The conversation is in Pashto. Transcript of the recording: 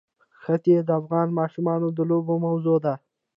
ښتې د افغان ماشومانو د لوبو موضوع ده.